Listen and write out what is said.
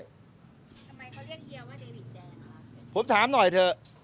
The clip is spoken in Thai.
ทำไมเขาเรียกเฮียว่าเดวิกแดงคะผมถามหน่อยเถอะ